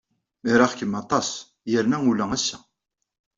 Riɣ-kem aṭas yernu ula ass-a.